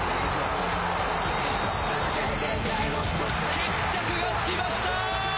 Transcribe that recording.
決着がつきました。